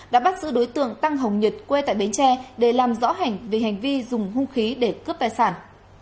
đã bắt giữ đối tượng tăng hồng nhật quê tại bến tre để làm rõ hành vi hành vi dùng hung khí để cướp tài sản